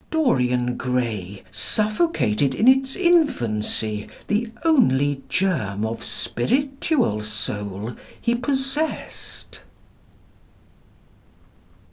Dorian Gray suffocated in its infancy the only germ of spiritual soul he possessed.